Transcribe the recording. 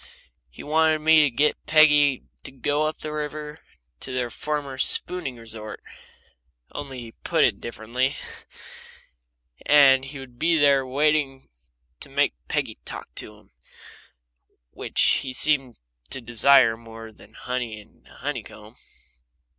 He wanted me to get Peggy to go up the river to their former spooning resort (only he put it differently), and he would be there waiting and make Peggy talk to him, which he seemed to desire more than honey in the honeycomb.